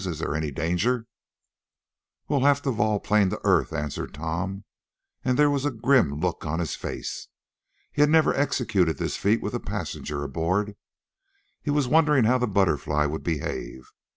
Is there any danger?" "We'll have to vol plane to earth," answered Tom, and there was a grim look on his face. He had never executed this feat with a passenger aboard. He was wondering how the BUTTERFLY would behave.